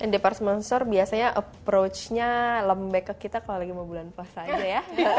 department store biasanya approach nya lembek ke kita kalau lagi mau bulan puasa aja ya